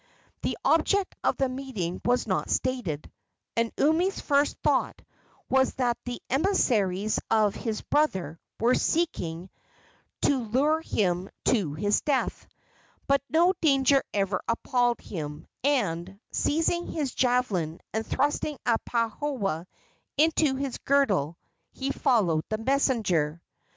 The object of the meeting was not stated, and Umi's first thought was that the emissaries of his brother were seeking to lure him to his death; but no danger ever appalled him, and, seizing his javelin and thrusting a pahoa into his girdle, he followed the messenger.